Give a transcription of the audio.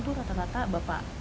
tuh rata rata bapak